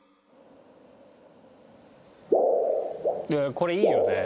これいいよね。